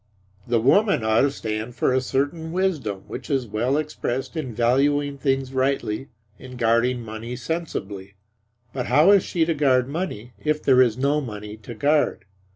The woman ought to stand for a certain wisdom which is well expressed in valuing things rightly and guarding money sensibly; but how is she to guard money if there is no money to guard?